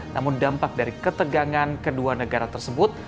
namun dampak dari ketegangan kedua negara tersebut